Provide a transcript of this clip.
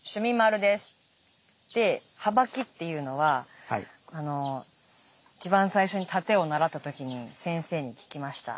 ではばきっていうのは一番最初に殺陣を習った時に先生に聞きました。